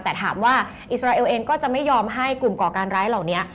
แต่ถามว่าอิสราเอลเองก็จะไม่ยอมให้กลุ่มก่อการร้ายเหล่านี้